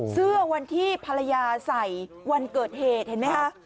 เสื้อวันที่ภรรยาใส่วันเกิดเหตุเห็นไหมคะ